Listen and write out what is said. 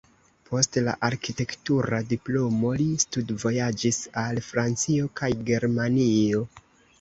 Post la arkitektura diplomo li studvojaĝis al Francio kaj Germanio.